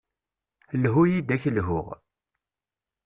Lhu-yi ad ak-lhuɣ.